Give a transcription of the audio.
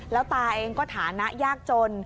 แล้วตาเองก็ฐานะยากจน